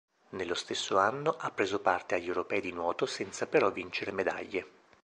Nello stesso anno ha preso parte agli europei di nuoto senza però vincere medaglie.